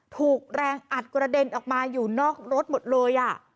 ถูกแรงอัดกระเด็นออกมาอยู่นอกรถหมดเลย